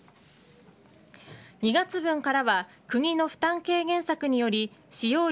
２月分からは国の負担軽減策により使用量